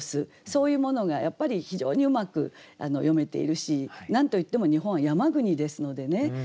そういうものがやっぱり非常にうまく詠めているし何と言っても日本は山国ですのでね